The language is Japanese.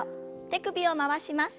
手首を回します。